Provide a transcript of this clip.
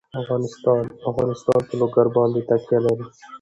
افغانستان په لوگر باندې تکیه لري.